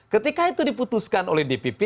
ketika itu diputuskan oleh dpp